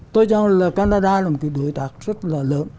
tôi cho rằng là canada là một cái đối tác rất là lớn